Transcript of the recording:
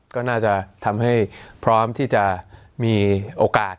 ก็น่าจะทำให้พร้อมที่จะมีโอกาส